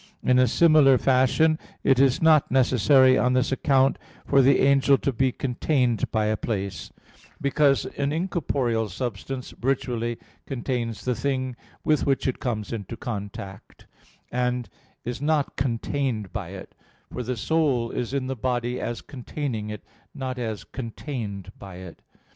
In similar fashion it is not necessary on this account for the angel to be contained by a place; because an incorporeal substance virtually contains the thing with which it comes into contact, and is not contained by it: for the soul is in the body as containing it, not as contained by it.